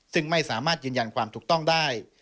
ซึ่งไม่สามารถยืนยันความถูกต้องได้